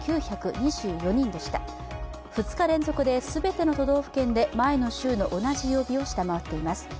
２日連続で全ての都道府県で前の週の同じ曜日を下回っています。